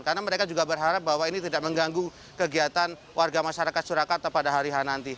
karena mereka juga berharap bahwa ini tidak mengganggu kegiatan warga masyarakat surakarta pada hari yang nanti